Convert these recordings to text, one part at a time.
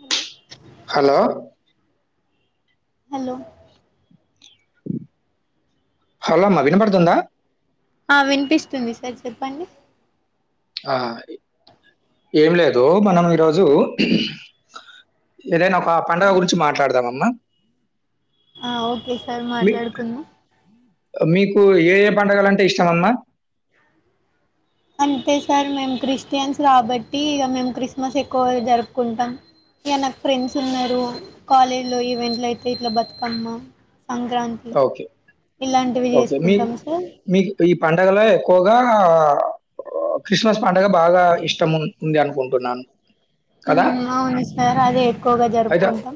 Hello hello hello hello అమ్మ వినపడుతుందా ఆ వినిపిస్తుంది సార్ చెప్పండి ఆ ఏం లేదు మనం ఈరోజు ఏదైనా ఒక పండగ గురించి మాట్లాడదామమ్మ ఆ ఓకే సార్ మాట్లాడుకుందాం మీకు ఏ ఏ పండగలు అంటే ఇష్టం అమ్మా అంతే సార్ మేము క్రిస్టియన్స్ కాబట్టి ఇక మేము క్రిస్మస్ ఎక్కువ జరుపుకుంటాం ఇగ నాకు ఫ్రెండ్స్ ఉన్నారు కాలేజ్లో ఈవెంట్ అయితే ఇట్లా బతుకమ్మ సంక్రాంతి ఓకే ఇలాంటివి ఓకే మీ చేసుకుంటాం సార్ మీకు ఈ పండగలో ఎక్కువగా క్రిస్మస్ పండగ బాగా ఇష్టం ఉంది అనుకుంటున్నాను కదా ఉమ్ అవును సార్ అదే ఎక్కువగా అయితే జరుపుకుంటాం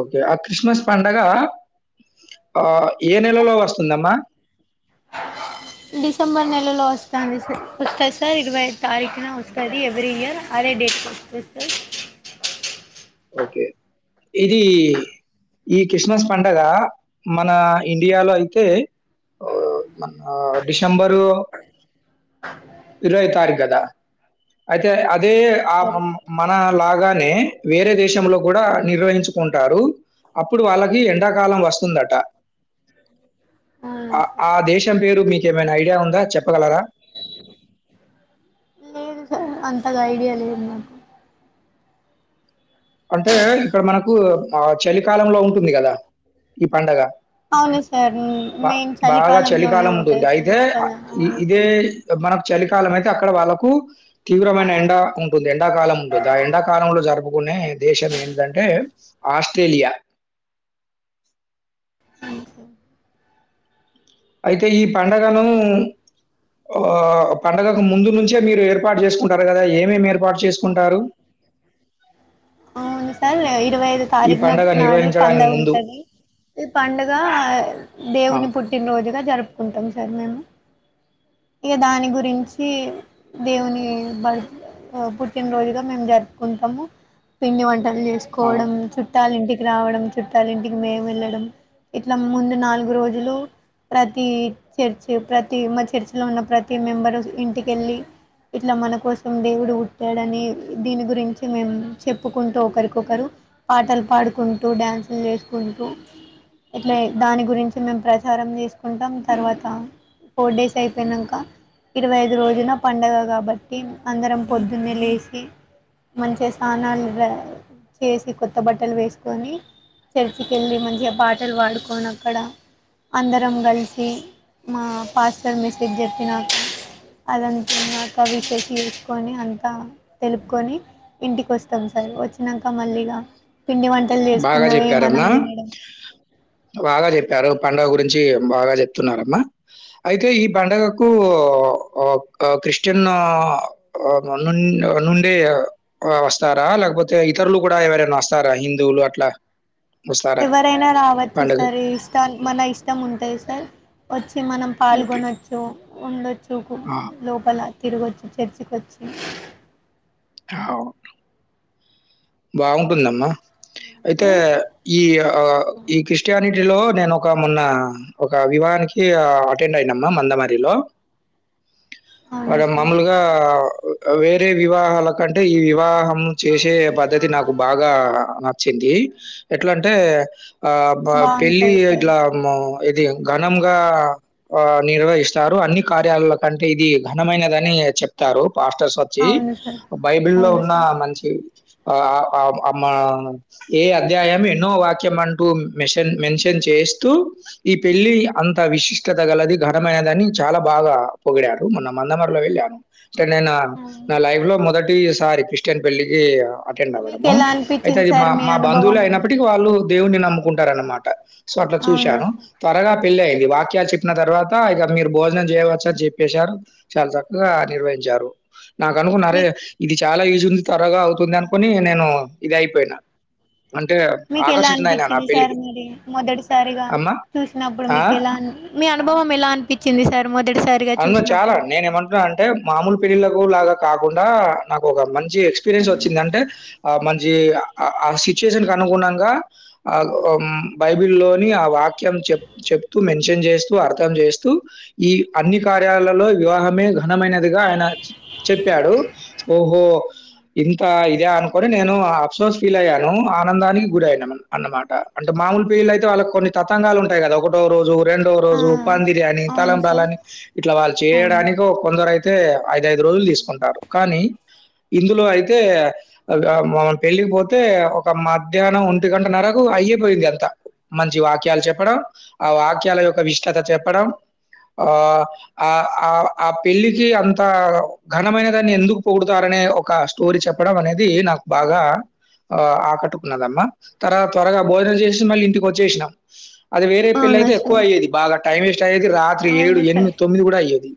ఓకే ఆ క్రిస్మస్ పండగ ఆ ఏ నెలలో వస్తుందమ్మా డిసెంబర్ నెలలో వస్తుంది సార్ ఇరవైఐదు తారీఖన వస్తుంది ఎవరీ ఇయర్ అదే డేట్కి వస్తది సార్ ఓకే ఇదీ ఇ క్రిస్మస్ పండగ మన ఇండియాలో అయితే ఒ మన డిసెంబరు ఇరవై ఐదు తారిఖ్ కదా అయితే అదే ఇరవై ఆ తారీఖు మన లాగానే వేరే దేశంలో కూడా నిర్వహించుకుంటారు అప్పుడు వాళ్ళకి ఎండాకాలం వస్తుందట అవునా సార్ ఆ దేశం పేరు మీకేమైనా ఐడియా ఉందా చెప్పగలరా లేదు సార్ అంతగా ఐడియా లేదు నాకు అంటే ఇక్కడ మనకు ఆ చలికాలంలో ఉంటుంది కదా ఈ పండగ అవును సార్ బా మేము బాగా చలికాలంలోనే చలికాలం ఉంటుంది ఉంటాయి ఫుల్ అయితే చలి అవును ఇదే సార్ మనకు చలికాలం అయితే అక్కడ వాళ్ళలకు తీవ్రమైన ఎండ ఉంటుంది ఎండాకాలం ఉంటుంది ఆ ఎండాకాలంలో జరుపుకునే దేశం ఏంటిది అంటే ఆస్ట్రేలియా అవును సార్ అయితే ఈ పండగను ఆ పండుగకు ముందు నుంచే మీరు ఏర్పాటు చేసుకుంటారు కదా ఏమేమి ఏర్పాటు చేసుకుంటారు ముందు సార్ ఇరవై ఐదు ఈ తారీఖున పండగ నాడు నిర్వహించడానికి పండగ ముందు? ఉంటది ఈ పండుగ ఆ! దేవుని పుట్టినరోజుగా జరుపుకుంటాం సార్ మేము ఇక దాని గురించి దేవుని బ ఓ పుట్టినరోజుగా మేము జరుపుకుంటాము పిండి వంటలు ఆ! చేసుకోవడం చు చుట్టాలింటికి రావడం చుట్టాలింటికి మేము వెళ్లడం ఇట్లా ముందు నాలుగు రోజులు ప్రతి చర్చి ప్రతి మా చర్చి లో ఉన్న ప్రతి మెంబరు ఇంటికెళ్ళి ఇట్లా మన కోసం దేవుడు ఉట్టాడని దీని గురించి మేము చెప్పుకుంటూ ఒకరికొకరు పాటలు పాడుకుంటూ డ్యాన్సులు చేసుకుంటూ ఇట్లే దాని గురించి మేము ప్రచారం తీసుకుంటాం తర్వాత ఫోర్ డేస్ అయిపోయినంకా ఇరవై ఐదు రోజున పండగ కాబట్టి అందరం పొద్దున్నే లేసి మంచిగా స్నానాలు బ్రా చేసి కొత్త బట్టలు వేసుకొని చర్చికెళ్ళి మంచిగా పాటలు పాడుకోన అక్కడ అందరం గలిసి మా పాస్టర్ మెసేజ్ చెప్పినాకా అదంత విన్నాక విషెస్ చేసుకొని అంతా తెలుపుకొని ఇంటికి కోస్ తం సార్ వొచ్చినంకా మళ్ళీగా పిండి వంటలు బాగా చేసుకున్నవె మనం జెప్పారమ్మా. దినడం బాగా చెప్పారు పండుగ గురించి బాగా చెప్తున్నారమ్మా అయితే ఈ పండగకు ఓ ఓ క క్రిస్టియన్ ఒ నున్ నుండి అ వస్తారా లేకపోతే ఇతరులు కూడా ఎవరైనా వస్తారా హిం దువులు అట్లా వస్తారా ఎవరైనా రావచ్చు పండగకి? సార్ ఇస్టన్ మన ఇష్టం ఉంటది సార్ వచ్చి మనం ఓకే. పాల్గొనోచ్చు ఉండొచ్చు ఆ! లోపల తిరుగొచ్చు చర్చికి వచ్చి హౌ బాగుంటుందమ్మా అయితే ఈ ఆ ఈ క్రిస్టియాని టి లో నేను ఒక మొన్న ఒక వివానికి అ అటెండ్ అయినమ్మా మందమర్రీ లో అవునా అడ సార్ మాములుగా వేరే వివాహాల కంటే ఈ వివాహం మ్ చేసే పద్ధ బాగా నచ్చింది ఎట్లాంటే ఆ బ పెళ్ళి బాగుంటది సార్ ఇట్లా ఆమ్మో ఇది ఘనంగా ఆ నిర్వహిస్తారు అన్ని కార్యాలాలకంటే ఇది ఘనమైనదని ఇగ చెప్తారు పాస్టర్స్ వచ్చి అవును సార్ బైబిల్లో అవును ఉన్న సార్ మంచి అ ఆహ్ అమ్మ మ్ ఏ అధ్యాయం ఎన్నో వాక్యం అంటూ మేషన్ మెన్షన్ చే స్తు ఈ పెళ్లి అంత విశిష్టత గలది ఘనమైనదని చాలా బాగా పొగిడారు నా మందమర్లావెళ్ళాను అంటే నేను అవును నా లైఫ్ లో మొదటిసారి క్రిస్టియన్ పెళ్లికి అటెండ్ మీకు అవ్వడము ఎలా అయితే అనిపించింది అది మా సార్ మీ మా అనుభవం బంధువులే అయినప్పటికీ వాళ్ళు దేవున్ని నమ్ముకుంటార అన్నమాట సో అట్లా అవునా చూశాను సార్ త్వరగా పెళ్ళి అయింది వాక్యాలు చెప్పిన తర్వాత ఇక మీరు భోజనం చేయవచ్చు అని చెప్పేశారు చాలాసార్లు గా నిర్వహించారు నాకు అనుకున్నారే మీకు ఇది చాలా ఈజ్ ఉంది త్వరగా అవుతుంది అని కొని నేను ఇది అయిపోయిన మీకు ఎలా అనిపించింది సార్ పెళ్ళికి. మరి మొదటిసారిగా అమ్మ! చూసినప్పుడు ఆ! మీకు ఎలా అన్ మీ అనుభవం ఎలా అనిపిచింది సార్ మొదటిసారిగా చూసినప్పుడు పిరిలకు లాగా కాకుండా నాకు ఒక మంచి ఎక్స్పీరియన్స్ వచ్చింది అంటే అ మంచి అ ఆ సిచ్యుయేషన్ కి అనుగుణంగా అగ్ ఓమ్ బైబిల్ లోని ఆవా వాక్యం చెప్ చెప్తూ మెన్షన్ చేస్తూ అర్థం చేస్తూ ఈ అన్ని కార్యాలలో వివాహమే ఘనమైనదిగా ఆయన చ్ చెప్పాడు ఓహో ఇంత ఇద అనుకు కొని నేను అప్సోస్ ఫీల్ అయ్యాను ఆనందానికి గురి అయినా అన్నమాట అంటే మామూలు పెళ్లిళ్లు అయితే వాళ్ళ కొన్ని తతంగాలు ఉంటాయి కదా ఒకటో రోజు రెండో ఆ రోజు పంది ఇది అని అవును సార్ తలంబ్రాలని ఇట్లా వాళ్ళు అవును చేయడానికి కొందరు అయితే ఐదఐదు రోజులు తీసుకుంటారు కానీ ఇందులో అయితే అగ మమన్ పెళ్ళకిపోతే ఒక మధ్యాహ్నం ఒంటి గంట నరకు అయ్యే పోయింది అంత మంచి వాక్యాలు చెప్పడం, ఆ వాక్యాల యొక్క విష్టత చెప్పడం ఆ ఆ ఆ ఆ పెళ్ళికి అంత ఘనమైనదాన్ని ఎందుకు పొగుడుతారని ఎ ఒక స్టోరీ చెప్పడం అనేది నాకు బాగా ఆ ఆకట్టుకున్నదమ తర్వాత త్వరగా భోజనం చేసి మళ్ళీ ఇంటికి వచ్చేష్ణం అది వేరే పెళ్లి అవునా అయితె ఎక్కువ సార్ అయ్యది బాగా టైం వేస్ట్ అయెది రాత్రి ఏడు అవును ఎనిమి సార్ తొమ్మిది కూడా అయ్యేది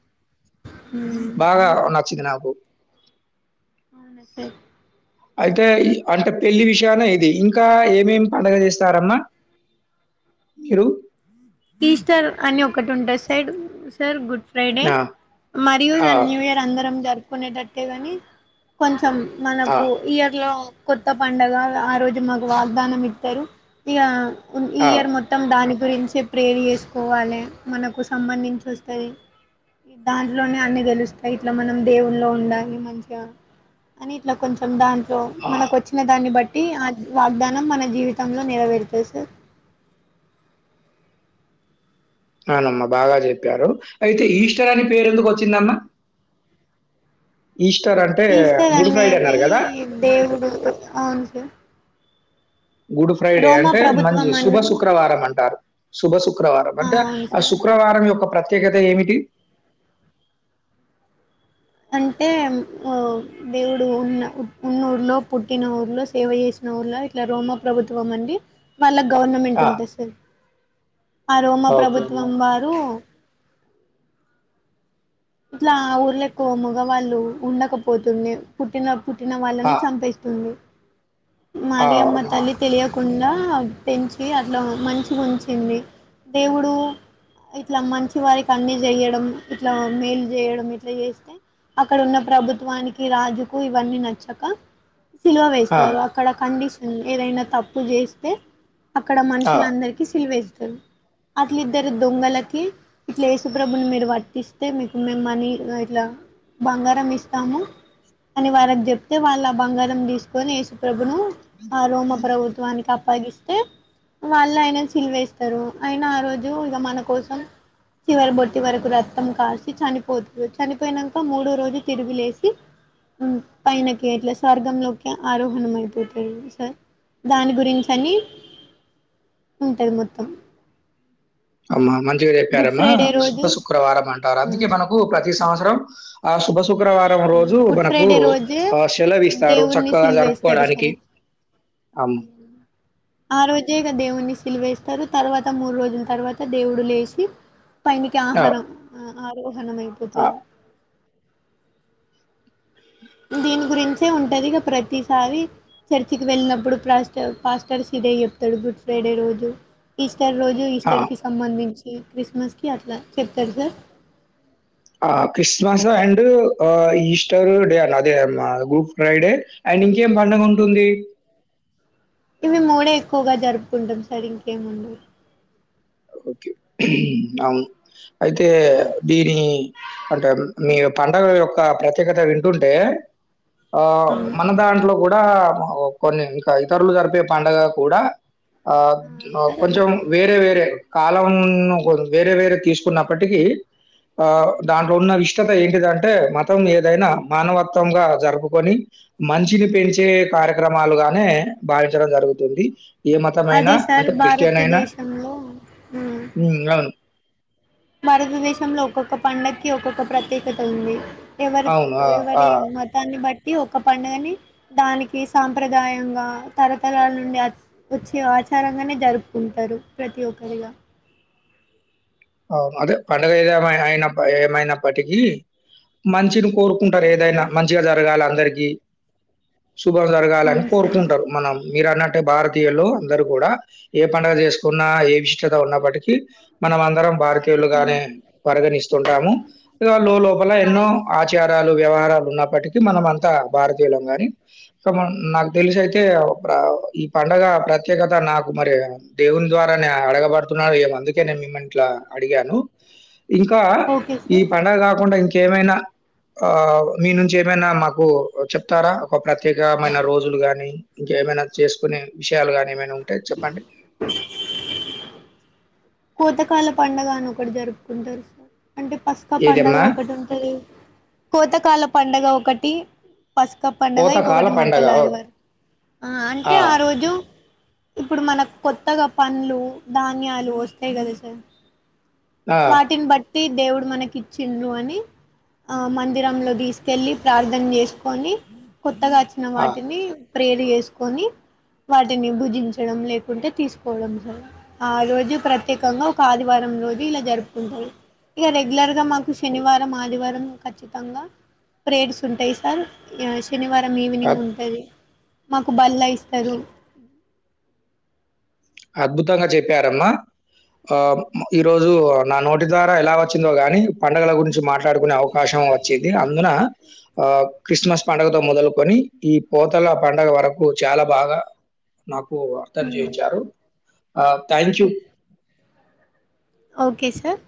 అవునా బాగా నచ్చింది నాకు మెస్సేజ్ అయితే ఇ అంటే పెళ్లి విషయాన ఇది ఇంకా ఏమేమి పండగ చేస్తారమ్మా ఇరు ఈస్టర్ అని ఒకటి ఉంటంది సైడ్ సార్ గుడ్ ఫ్రైడే ఆ! మరియు ఆ! దాని న్యూ ఇయర్ అందరం జరుపుకునేటట్టే గని కొంచెం ఆ! మనపు ఇయర్లో కొత్త పండగ ఆ రోజు మాకు వాగ్దానం ఇతారు ఇగ హ్మ్ ఈ ఆ! ఇయర్ మొత్తం దాని గురించి చ్ప్ ప్రేయర్ చేసుకోవాలె మనకు సంబంధించి ఒస్తది దాంట్లోనే అన్ని తెలుస్తాయి ఇట్లా మనం దేవున్లో ఉండాలి మంచిగా అని ఇట్లా కొంచెం దాంట్లో ఆ! మనకు వచ్చిన దాన్ని బట్ ఇ ఆ వాగ్దానం మన జీవితంలో నెరవేరుతాయి సార్ అవునమ్మ బాగా చెప్పారు హ్హ్ అయితే ఈస్టర్ అని పేరు ఎందుకు వచ్చిందమ్మ [inaudible] ఈస్టర్ అనేదీ దేవుడు గుర్తు అవును సార్ గుడు ఫ్రైడే రోమా అంటే మంచి ప్రభుత్వం శుభ అని శుక్రవారం అంటారు శుభ శుక్రవారం ఆ అంటే అవును ఆ సార్ శుక్రవారం యొ ఒక ప్రతేకతామిటి ఏమిటి అంటే హ్మ్ ఒ దేవుడు ఉన్న ఉఊర్లో పుట్టిన ఊర్లో సేవ చేసి ఇట్లా రొమ ప్రభుత్వం అండి వాళ్ళ గవర్నమెంట్ ఆ! ఉంటాంది సార్ ఆ రోమ ఓకే అమ్మా. ప్రభుత్వం వారు ఇట్లా ఊర్ల ఎక్కువ మగవాళ్ళు ఉండకపోతుండె పుట్టిన పుట్టిన ఆ! వాళ్ళని చంపేస్తుంది ఆ, మరియమ్మ అవునా! తల్లి తెలియకుండా పెంచి అట్లా మంచిగా ఉంచింది దేవుడు ఇట్లా మంచి వారికి అన్ని చేయడం ఇట్లా మేలు చేయడం ఇట్లా చేస్తే అక్కడ ఉన్న ప్రభుత్వానికి రాజుకు ఇవని నచ్చక సిలువ ఆ! వేస్తారు అక్కడ కండిషన్ ఏదైనా తప్పు చేస్తే అక్కడ ఆ! మనుషులందరికి సిల్వ ఎస్ అట్లిద్దరు దొంగలకి ఇట్లా యేసుప్రభుని మీరు వటిస్తే అయితే మీకు మేము మనీ ఇగ ఇట్లా బంగారం ఇస్తాము అని వాళ్లకి చెప్తే వాళ్ళ ఆ బంగారం తీసుకొని యేసుప్రభును ఆరోమ ప్రభుత్వానికి అ పగిస్తే వాళ్ళు ఆయన సిల్వవేస్తారు అయిన ఆ రోజు ఇగ మన కోసం చివరి బోటు వరకు రత్ రక్త కార్చి చనిపోతు చనిపోయినాక మూడో రోజు తిరుగిలేసి హ్మ్ పైనకి అట్లా స్వర్గంలోకి ఆరోహణం అయిపోతాంది సార్ దాని గురించి అని ఉంటది మొత్తం అమ్మ మంచిగా గుడ్ చెప్పారమ్మా ఫ్రైడే శుభ రోజు శుక్రవారం అంటారు అందుకే మనకు ప్రతి సంవత్సరం ఆ శుభ శుక్రవారం రోజు గుడ్ మనకు ఫ్రైడే రోజు ఆ షెల్వ ఇస్తారు దేవుణ్ణి చక్కగా సిలువేస్తారు జరుపుకోవడానికి సార్ [inaudible] ఆ రోజే ఇగ దేవుడిని శిల్వ వేస్తారు తర్వాత మూడు రోజుల తర్వాత దేవుడు లేసి పైనికి ఆ! ఆహారం ఆ! ఆరోహనామాయిపోతాది దిని గురించే ఉంటదిగా ప్రతిసారి చర్చికి వెళ్ళినప్పుడు పర్ పాస్టర్స్షిప్ దె చెప్తాడు గుడ్ ఫ్రైడే రోజు ఈస్ స్టర్ రోజు ఆ! ఈస్టర్ కి సంబందించి క్రిస్మస్ కి అట్లా చెప్తాడు సార్ ఆహ్ క్రిస్మస్ అండ్ హ ఈస్టర్ డే అనే అదేమ్మా గుడ్ ఫ్రైడే అం ండ్ ఇంకేం పండగ ఉంటుంది మేమ్ మూడే ఎక్కువగ జరుపుకుంటం సార్ ఇంకేముండదు ఓకే అవును అయితే ఓకే సార్ బీడీ అంటే మీ పండగల యొక్క ప్రత్యేకత వింటుంటే ఆహ్ మన దాంట్లో గూడా అహ్ కొన్ని ఇంక ఇతరులు జరిపే పండగ కూడా ఆహ్ ఆ, అ సరే కొంచం వేరే వేరే కాలాం ను కొ వేరే వేరే తీసుకున్నప్పటికీ ఆహ్ దాంట్లో ఉన్న విష్టత ఏంటిదంటే మతం ఏదైనా మానవత్వంగా జరుపుకొని మంచిని పెంచే కార్యక్రమాలుగానే భావించడం జరుగుతుంది ఏ మతమైనా అదే సార్ అంటే క్రిస్టియన్ అయినా భారతదేశంలో ఉమ్ అవును భారతదేశంలో ఒక్కొక్క పండక్కి ఒక్కొక్క ప్రత్యేకత ఉంది ఎవరిప్ అవును. ఆ! ఆ! ఎవరి మతాన్ని బట్ ట్టి ఒక పండగని దానికి సాంప్రదాయంగా తరతరాల నుండి అ ఒచ్చి వ ఆచారంగానే జరుపుకుంటరు ప్రతి ఒక్కరిగా అవును అదే పండుగ ఏదెమెన ఎమైన ఏమైనప్పటికీ మంచిని కొరుకుంటరు ఏదైనా మంచిగా జరగాల అందరికి శుభం జరగాలని అవును సార్ కొరుకుంటరు మనం మీరు అన్నట్టు భారతీయులు అందరు కూడా ఏ పండగ చేసుకున్నా ఏ విశిష్టత ఉన్నప్పటికీ మనం అందరం భారతీయులుగానే అవును. పరిగణిస్తుంటాము ఇగ లో లోపల ఎన్నో ఆచా రాలు వ్యవహారాలు ఉన్నప్పటికీ మనం అంతా భారతీయులం గాని సొ మన్ నాకు తెలిసయితే బ్రవొ ఈ పండగ ప్రత్యేకత నాకు మరి దేవుని ద్వారానే అడగబడుతున్నాదొ ఏమో అందుకేనే మిమ్మల్నిట్లా అడిగాను ఇంకా ఓకే ఈ సార్ పండగ కాకుండా ఇంకేమైనా ఆహ్ మీ నుంచి ఏమైనా మాకు చెప్తారా ఒక ప్రత్యేకమైన రోజులు గాని ఇంకె ఏమైనా చేసుకునే విషయాలు గానీ ఏమైనా ఉంటే చెప్పండి కోతకాల పండగ అని ఒకటి జరుపుకుంటరు సార్ అంటే పసుక పండగ ఏదమ్మా? ఒకటి ఉంటది కోతకాల పండగ ఒకటి పసుక పండగ పోతకాల ఇంకొకటి పండగ. ఓ మట్టలాదివారం ఆహ్ అంటే ఆ రోజు ఇప్పుడు మనకు కొత్తగా పండ్లు ధాన్యాలు వస్తాయి గదా సార్ ఆ! వాటిని బట్టి దేవుడు మనకి ఇచ్చిండ్రు అని ఆ మందిరంలో తీసుకెళ్ళి ప్రార్థన చేసుకొని కొత్తగా అచ్చిన ఆ! వాటిని ప్రేర్ చేసుకొని వాటిని భుజించడం లేకుంటే తీసుకోవడం సర్ ఆ రోజు ప్రత్యేకంగా ఒక ఆదివారం రో జు ఇలా జరుపుకుంటరు ఇగ రెగ్యులర్ గా మాకు శనివారం ఆదివారం ఖచ్చితంగా ప్రేడ్స్ ఉంటయి సార్ ఇగ శనివారం ఈవినింగ్ అద్ ఉంటది మాకు బళ్ల ఇస్తరు అద్భుతంగా చెప్పారమ్మా ఆ ఉమ్ ఈరోజు నా నోటి ద్వారా ఎలా వచ్చిందో గాని పండగల గురించి మాట్ ట్లాడుకునే అవకాశం వచ్చిది అందునా ఆహ్ క్రిస్మస్ పండగతో మొదలుకొని ఈ పోతల పండగ వరకు చాలా బాగా నాకు అర్థం చేయించారు ఆహ్ థ్యాంక్ యూ ఓకే సార్